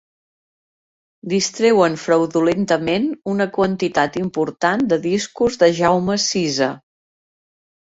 Distreuen fraudulentament una quantitat important de discos de Jaume Sisa.